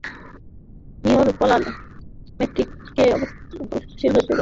নিওর পলায়ন ম্যাট্রিক্সকে অস্থিতিশীল করে তুলেছে।